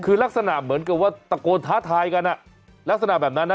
คือลักษณะเหมือนกับว่าตะโกนท้าทายกันลักษณะแบบนั้นนะ